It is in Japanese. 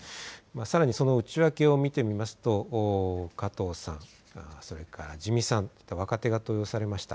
さらにその内訳を見てみると加藤さん、それから自見さんと若手が登用されました。